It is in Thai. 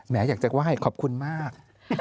อยากจะไหว้ขอบคุณมาก